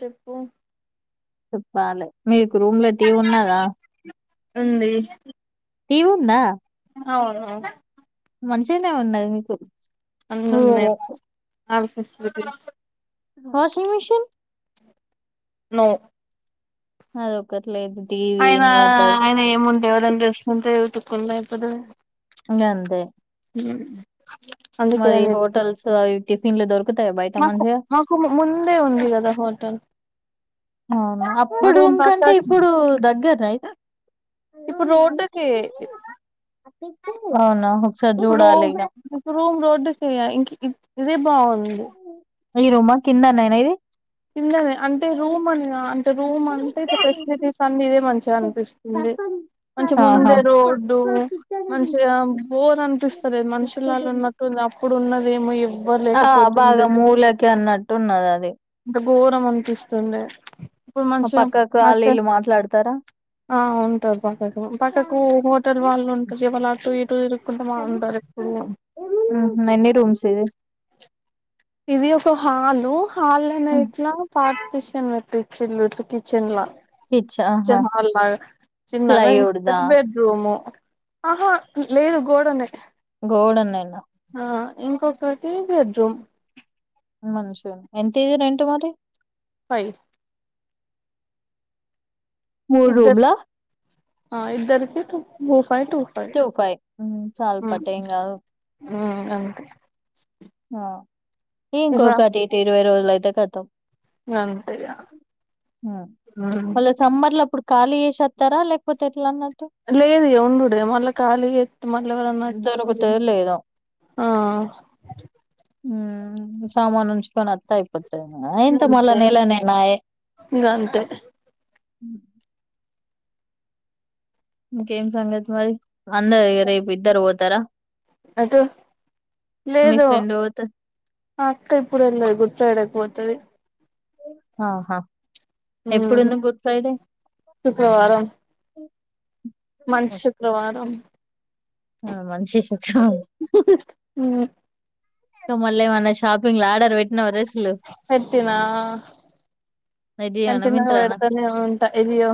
చెప్పు చెప్పాలి మీకు రూమ్ లో టీవీ ఉన్నాదా ఉంది తీటీవున్నా అవును మంచిగానే ఉన్నది మీకు అన్ని ఉన్నాయి రూము ఆ ఫెసిలిటీస్ వాషింగ్ మషన్ న అదొకటి లేదు టీవీ ఆయనా ఇన్వర్టర్ ఆయన ఏముండే ఎవరని తెసుకుంటే తకుంద ఇప్పుడు అంతే ఉ మరి హోటల్స్ అవి టిఫిన్లు దొరుకు మాకు మాకు ముందే ఉంది కదా హోటల్ అవును మా అప్పుడు రూమ్ పక్క కంటే ఇప్పుడు దగ్గర అయితే ఇప్పు రోడ్కి అవునా ఒకసారి ఇప్పు చూడాలి రూమ్ ఇగ ఇప్పు రూమ్ రోడ్క ఇ ఇ ఇదే బాగుంది ఈ రూమా కిందన్నేనా ఇది కిందనే అంటే రూమ్ అని అంటే రూమ్ అంటే ఇ ఫెసిలిటీస్ అన్ని ఇదే మంచిగా అనిపిస్తుంది మంచి ఆహా ముందే రోడ్డు మంచిగా బోర్ అనిపిస్తారు మనుషుల ఉన్నట్టుంది అప్పుడు ఉన్నదేమో ఎవ్వరు ఆ లేకపోతుండే బాగా మూలకి అన్నట్టున్నది అది ఇంత ఘోరం అనిపిస్తుంది ఇప్పుడు ఆ మంచిగా పక్కకు వాళ్ళు మాకే వీళ్ళు మాట్లాడతారా ఆ ఉంటది పక్కకు పక్కకు హోటల్ వాళ్ళు ఉంటారు ఇవాళ టూ ఇ టూ తిరుక్కుంటా బ ఉంటారు ఎప్పుడు నిన్నన్ని రూమ్స్ ఇది ఇది ఒక హాలు హల్ అనే ఇట్లా పా కిషన్ పెట్టి ఇచ్చిలుట్ కిచెన్ లా కిచ్ ఆహా కిచెన్ హాల్ లాగా చిన్నగా ఇంక ప్లైవుడ్ పెద్ద దా బెడ్రూము ఆహా లేదు గోడనే గోడన్న ఎలా ఆ ఇంకొకటి బెడ్రూమ్ మంచి ఎంత ఏది రెంట్ మరి ఫై్ మూడు ఇద్దరు రూమ్లా ఆ ఇద్దరికి ట టూ ఫైవ్ టూ ఫైవ్ చాలు హ్మ్ పట్టు ఏం కాదు అంతే ఇగ ఇంకొకటి ఇటి ఇరవై రోజులు అయితే ఖతం అంతే ఇగ మళ్ళ సమ్మర్ లోఅప్పుడు ఖాళీ చేసేత్తారా లేకపోతే ఎట్లా మరి లేదు ఉండుడే మళ్ళా ఖాళీ చేత్తే మళ్ళ ఎవరైనా వచ్చి దొరుకుతదో లేదో ఆ హ్మ్ సామాను ఉంచుకోని వత్తే అయిపోద్ అంతేన ఇంక మళ్ళ నేల నేనాయే ఇంగ అంతే ఇంకేం సంగతి మరి అందరు రేపు ఇద్దరు పోతారా మీ లేదు ఫ్రెండ్ పోత అక్క ఇప్పుడు వేల్లేదు గుడ్ ఫ్రైడే కి పోతది ఆహా మ్మ్ ఎప్పుడుంది గుడ్ ఫ్రైడే శుక్రవారం మంచి శుక్రవారం ఆ మంచి శుక్రవారం హ్మ్ ఇంక మల్లేమైన షాపింగ్ లా ఆర్డర్ పెట్టినావ డ్రెస్ పెట్టినా కానీ విజయనా తిన్నగా మింత్రానా పెడతానే ఉంటా ఇదియ్యో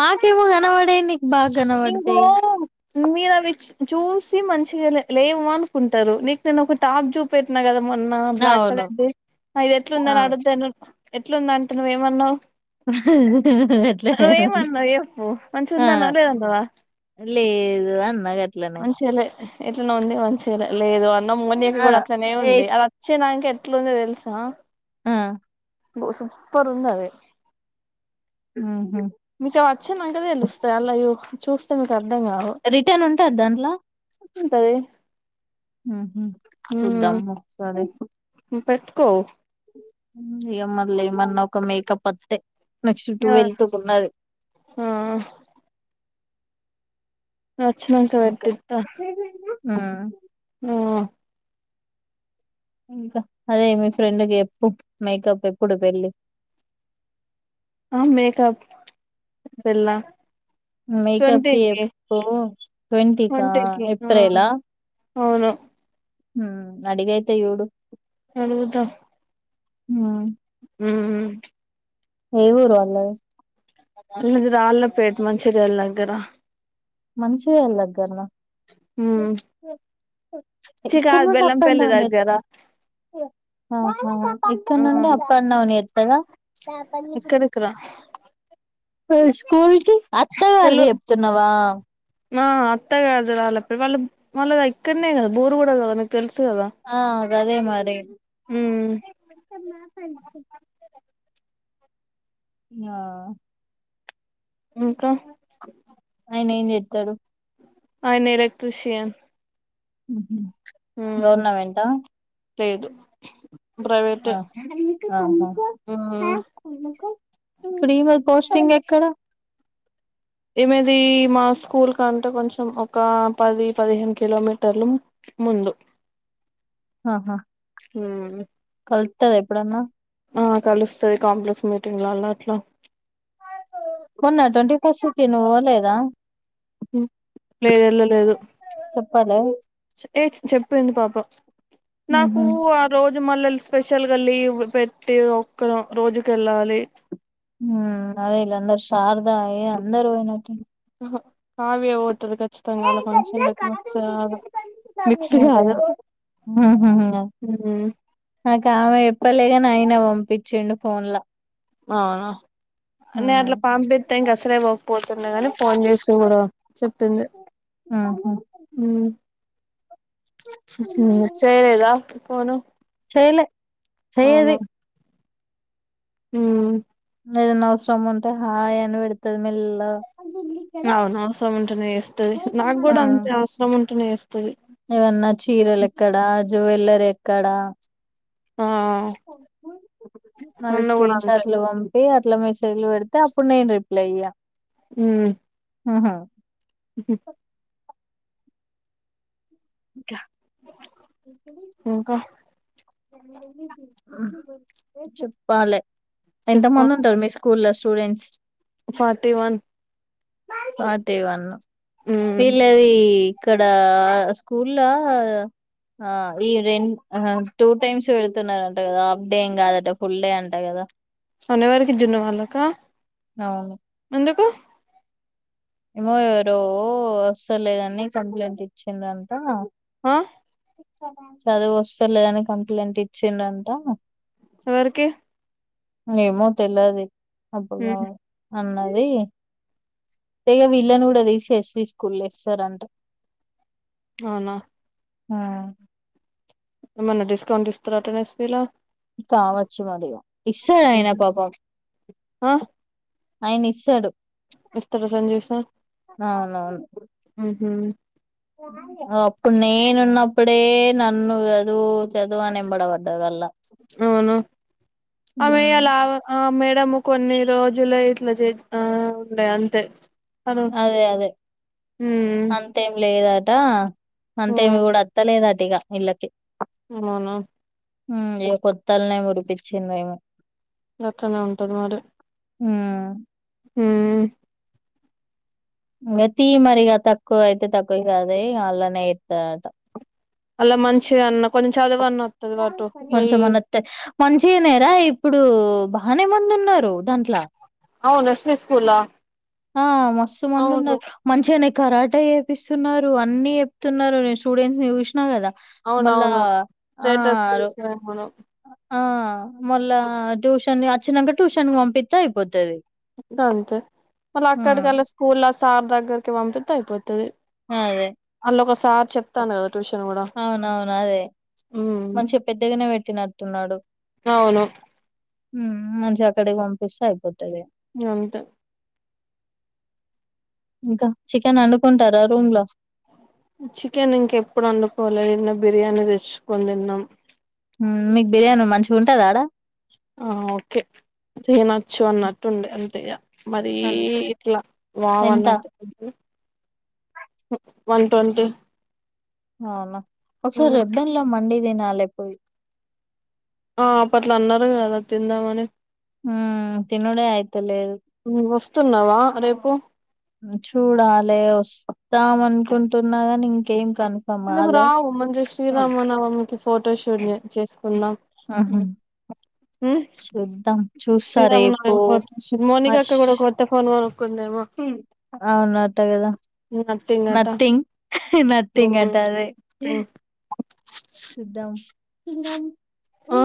మాకేమో కనబడు ఇంగో మీరా విచ్ చూసి మంచిగా లే లేవు అనుకుంటారు నీకు నేను ఒక టాప్ చూపెట్టినా కదా మొన్నా బ్లాక్ అవును కలర్ది ఇది ఎట్లుంద అని అవును అడిగితే నువ్వు ఎట్లుంద అంటే నువ్వేమన్నవ్ అట్లనే ఉంది నువ్వేమన్నావు చెప్పు మంచిగా ఆ ఉందన్న లేదన్నావా లేదు అన్న గట్లనే ఎట్లనే ఉంది మంచిగా లేదు అన్నావ్ మొన్కి ఆ కూడా అట్లనే ఉంది ఎస్ అది వచ్చే దాక ఎట్లుందో తెలుసా ఆ ఓ సూపర్ ఉందది ఊహూ వచ్చినాంక తెలుస్తాయి అలాగే చూస్తుంటారు రిటర్న్ ఉంటాది దాంట్లో ఉంటది ఊహూ మ్మ్ చూద్దాము ఒక సారి పెట్టుకో ఏమల్లే ఏమన్నా ఒక మేకప్ వత్తే నెక్స్ట్ ఆ టువెల్త్ ఉన్నది వచ్చినాంక పెట్టిత్తా హ్మ్ ఆ అదే మీ ఫ్రెండ్కి చెప్పు మేకప్ ఎప్పుడు పెళ్ళి [inaudible] ఆ మేకప్ పెళ్లా మేకప్ కి ట్వంటికి ఎప్పు ట్వంటీకా ట్వంటికి హ్మ్ ఏప్రిలా అవును హ్మ్ అడిగి అయితే చూడు అడుగుతా హ్మ్ మ్మ్ ఏ ఊరు వాళ్ళది వాళ్ళది రాళ్ళపేట మంచిర్యాళ దగ్గర మంచిర్యాల దగ్గరన మ్మ్ చి ఎక్కడ కాదు నుండి అప్ అండ్ బెల్లంపల్లి డౌన్ చెత్ దగ్గర [unintelligible] ఆహా ఇక్కడ ఆ నుండి అప్ అండ్ డౌన్ చేత్తద ఇక్కడికి రా మరి స్కూల్ కి అత్త గారిది చెప్తున్నావా మా అత్త గారిది వాళ్ళు వాళ్ళది ఇక్కడనే కదా బోరుకూడా కదా మీకు తెలుసు కదా ఆ గదే మరి మ్మ్ ఆ ఇంకా ఆయన ఏం చెత్తాడు ఆయన ఎలక్ట్ర్రిష్యన్ గవర్నమెంట లేదు ఆ ఆహా ఆ త్రీ మంత్స్ పోస్టింగ్ ఎక్కడ ఈమెది మా స్కూల్ కంటే కొంచెం ఒక పది పదిహేను కిలోమీటర్లు ముందు ఆహా మ్మ్ వత్తద ఎప్పుడున్నా ఆ కలుస్తది కాంప్లెక్స్ మీటింగ్లల అట్లా నా ట్వంటీ ఫస్ట్ కు తిను వన్ లేదా మ్మ్ లేదు వెళ్ళలేదు చెప్పాలే ఏ చెప్పింది పాప నాకు ఉహు ఆ రో జు మళ్ళ స్పెషల్ గల్లి పెట్టి ఒక్కరు రోజుక వెళ్ళాలి మ్మ్ అదే ఈల్లందరూ శారదా ఏ అందరు పోయినట్ [unintelligible] ఆహా అవి పోతుర్రు కర్ ఖచ్చితంగా ఆళ్ళ ఫంక్షన్లు ఎక్కువ సాద్ మిక్స్ కాదు మ్మ్ హు హు హు హ్మ్. ఆ ఇంకా ఆమె ఎప్పలేగాని అయినా పంపించిండు ఫోన్ లో ఆ నేను అట్లా పంపిత్తే ఇంక అసలే పోకపోతున్నా అని ఫోన్ చేసి కూడా చెప్పింది ఆ మ్మ్ హ్మ్ హు సరే రా పోదాం చేయలే చెయ్యది మ్మ్ ఇంగ ఏదన్న అవసరం ఉంటే హాయ్ అని పెడతది మెల్లగ అవును అవసరం ఉంటేనే వస్తది నాకు ఆ కూడా అంతే అవసరం ఉంటేనే ఇస్ ఏవన్నా చీరలు ఎక్కడ జ్యువెల్లరీ ఎక్కడా ఆ నావి అన్న కూడా స్క్రీన్ అంతే షాట్లు పంపి ఆ లో మసేజ్లు పెడితే అప్పుడు నేను రిప్లైఇయ్య మ్మ్ హ్మ్ హ ఎందుకండి ఇంకా చెప్పాలే ఎంత చెప్పు మంది ఉంటారు మీ ఆ స్కూల్ లో స్టూడెంట్స్ ఫార్టీ వన్ పాటే వాన్ ఉమ్ వీళ్ళది ఇక్కడ స్కూల్లో ఆ ఈ రెం టూ టైమ్స్ వెళుతున్నారంట కదా హాఫ్ డే ఏం కాదట ఫుల్ డే అంట కదా అదెవరికి జున్ను వాళ్ళకా అవును ఎందుకు ఏమో ఎవరో అసరలేదని కంప్లైంట్ ఇచ్చిందంట ఆ చదువు వస్తలేదని కంప్లైంట్ ఇచ్చిండంట ఎవరికి ఏమో తెలవది అప్పుడు ఉమ్ అన్నది ఇగ వీళ్ళని కూడా తీసేసి స్కూల్లో ఏసేసరంట అవునా ఆ ఏమన్నా డిస్కౌంట్ ఇస్తారటనా స్కూల్లో కావచ్చు మరిగా ఇస్తాడు ఆయన పాపం ఆ ఆయన ఇస్తాడు [unintelligible] అవునవును ఉహూ అప్పుడు నేనున్నప్పుడే నన్ను చదువు చదువు అని ఎంబడబడ్డారు అల్లా అవును ఆమె కొన్ని రోజులు ఇట్లా చేస్తా ఉండే అంతే అను అదే అదే ఉమ్ అంతేం లేదట అంతేమి ఉమ్ కూడా అత్తలేదట ఇగా వీళ్ళకి అవునా హ్మ్ కొత్తల్నే మురిపించిందేమో గట్లనే ఉంటది మరి హ్మ్ హ్మ్ ఇంగ తీ మరి గా తక్కువ అయితే తక్కువ అలా మంచిగా అన్న కొంచెం చదువు [unintelligible] అన్న వత్తది వాటు ఇగ ఈ కొంచెమన్నా వత్తే మంచిగనే రా ఇ ఇప్పుడు బానే మంది ఉన్నారు దాంట్ల ఔను నర్సరీ స్కూల్ల ఆ మస్తు మందు ఉన్నారు మంచిగనే కరా టే చేపిస్తున్నారు అన్ని చెప్తున్నారు నేను స్టూడెంట్స్ ని చూసిన కదా మళ్ళా అవునవును ఆ స్టేటస్ చూసాను మనం ఆ మళ్ళా ట్యూషన్ అచ్చినాక ట్యూషన్ కి పంపిత్తే అయిపోతది గంతే మళ్ళ హ్మ్. అక్కడికల్లా స్కూల్ లా సార్ దగ్గరికి పంపిత్తే అయిపోతది అదే అల్ల ఒక సార్ చెప్తానా అవునవును అదే ఉమ్ మంచిగా పెద్దగానే పెట్టినట్టున్నాడు అవును హ్మ్ మంచిగా అక్కడికి పంపిస్తే అయిపోతది అంతే ఇంకా చికెన్ వండుకుంటారా రూమ్ లో చికెన్ ఇంకెప్పుడు వండుకోలే నిన్న బిర్యానీ తెచ్చుకొని తిన్నాం హ్మ్ మీకు బిర్యానీ మంచిగా ఉంటదా ఆడా ఆ ఓకే తినొచ్చు అన్నట్టుండే అంతే ఇగ మరీ అంతే. ఇట్లా వావ్ ఎంత? అన్నట్టు [unintelligible] వన్ ట్వంటీ అవునా ఒకసారి హ్మ్. [unintelligible] లో మండీ తినాలి పోయి ఆ అప్పట్ల అన్నారు కదా తిందామని హూ తినుడే అయితలేదు వత్తున్నావా రేపు చూడాలి వస్తాం అనుకుంటున్నాగానీ ఇంకేం కన్ఫర్మ్ ఎందుకు కాలే రావు మంచిగా శ్రీరామనవమికి ఫోటోషూట్ జ్ చేసుకుందాం ఉమ్ చూద్దాం చూస్తారేపు శ్రీరామనవమి ఫోటో మోనిక మష్ అక్క కూడా కొత్త ఫోన్ కొనుక్కుందేమో అవునట కదా నథింగ్ అట నథింగ్ మతీం కంటది ఇన్నాం ఆ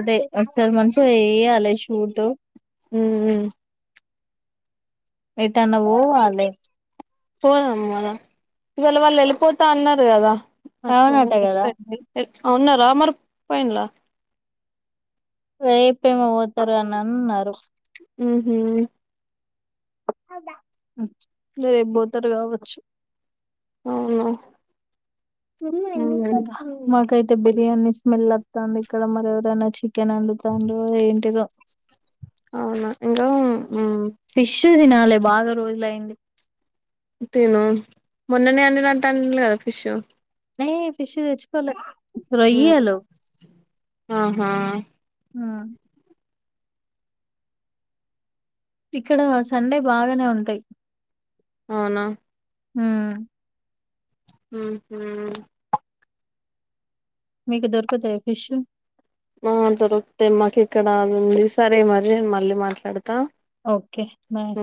అదే ఒకసారి మంచిం వయ్యాలి షూట్ ఉ ఏటన ఓ వాాల పోదాం మదాం ఇవాళ వాళ్ళు వెళ్ళిపోతా అన్నారు కదా అటు అవునట కదా అవున్న రామర్ పైన్లా వెే ప్రేమ ఓతారాన్నారు ఆ హ రేపు బోతరు కావచ్చు అవు మాకైతే బిర్యానీ స్మెల్ వస్తుంది ఇక్కడ మర ఎవరైనా చె అక్కెనందు తండు ఏంటి అవునా ఇకా ఫిష్ు తినాలి బాగా రోజులయింది తిను మొన్ననే అంట అంట అ కదా ఫిష్ ఏ ఫిష్ తెచ్చుకోలే రోయియా లో ఆహా ఇక్కడ సండే బాగానే ఉంటాయి అవునా హ హ హ మీకు దొరుకుతాయి ఫిష్ు ఆ దొరుకుత మాకు ఇక్కడ ఉంది సరే మరి నేను మళ్ళీ మాట్లాడతా ఓకే బాయ్